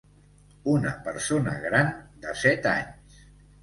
Una persona gran de set anys.